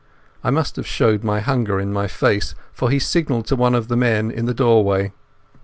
I must have showed my hunger in my face, for he signalled to one of the men in the doorway.